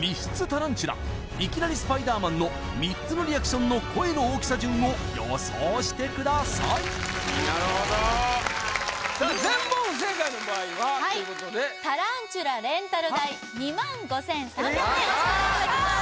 タランチュラいきなりスパイダーマンの３つのリアクションの声の大きさ順を予想してくださいなるほど全問不正解の場合はということでタランチュラレンタル代２万５３００円お支払いいただきます